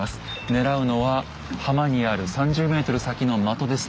狙うのは浜にある３０ｍ先の的です。